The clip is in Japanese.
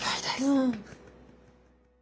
うん。